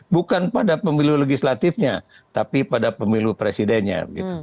bukan pada pemilu legislatifnya tapi pada pemilu presidennya